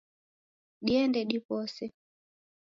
Diende diwose.